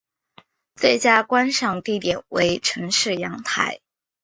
最佳观赏地点为城市阳台。